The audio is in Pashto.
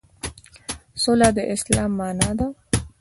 سوله د اسلام معنی ده